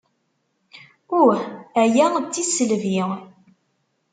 Uh, aya d tisselbi.